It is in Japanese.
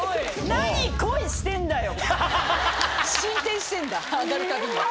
なに恋してんだよ！